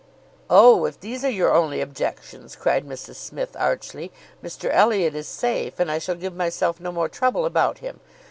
"Oh! if these are your only objections," cried Mrs Smith, archly, "Mr Elliot is safe, and I shall give myself no more trouble about him.